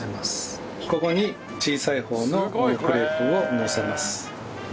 ここに小さい方のこのクレープをのせます。